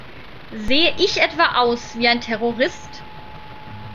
Sehe ich etwa aus wie ein Terrorist?